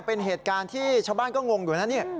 เป็นเหตุการณ์ที่ชาวบ้านก็งงอยู่นะเนี่ย